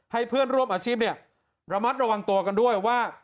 ให้เพื่อนร่วมอาชีพระมัดระวังตัวกันด้วยว่า